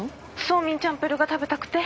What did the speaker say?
☎ソーミンチャンプル−が食べたくて。